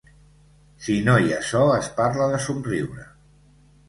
Si no hi ha so, es parla de somriure.